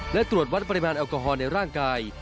และตรวจวัดปริมาณแอลกอฮอลในร่างกาย